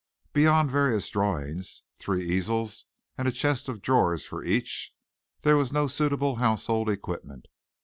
Beyond various drawings, three easels, and a chest of drawers for each, there was no suitable household equipment.